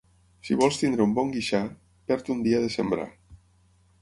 Si vols tenir un bon guixar, perd un dia de sembrar.